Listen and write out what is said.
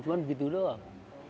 cuma begitu doang